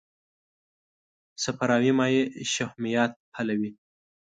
صفراوي مایع شحمیات حلوي.